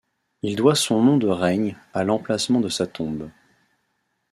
Il doit son nom de règne à l'emplacement de sa tombe.